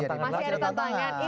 masih ada tantangan